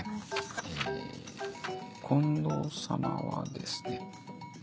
え近藤様はですね。